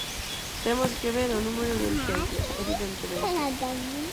Temos que ver o número de urxencias, evidentemente.